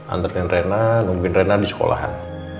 entertain rena nungguin rena di sekolahan